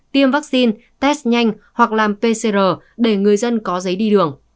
tiêm vaccine test nhanh hoặc làm pcr để người dân có giấy đi đường